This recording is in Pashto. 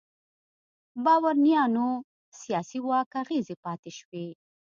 بارونیانو د سیاسي واک اغېزې پاتې شوې.